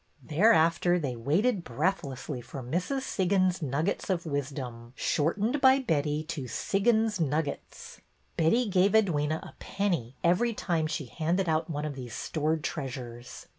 Thereafter they waited breathlessly for Mrs. Siggins's nuggets of wisdom, shortened by Betty to " Siggins's Nuggets." Betty gave Edwyna a EDWYNA FROM THE WEST 191 penny every time she handed out one of these stored treasures.